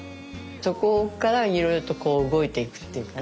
そこからいろいろとこう動いていくっていうかね